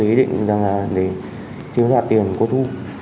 em đã kế định rằng là để chiếu đoạt tiền của thu